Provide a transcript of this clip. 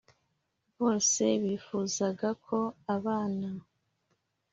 bose bifuzaga ko abana